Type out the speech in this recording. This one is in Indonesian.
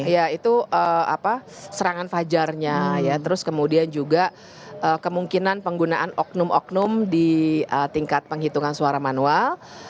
ya itu serangan fajarnya ya terus kemudian juga kemungkinan penggunaan oknum oknum di tingkat penghitungan suara manual